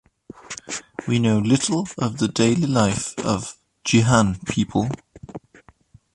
We know little of the daily life of Jinhan people.